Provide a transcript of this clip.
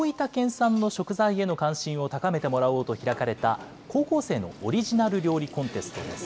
産の食材への関心を高めてもらおうと開かれた高校生のオリジナル料理コンテストです。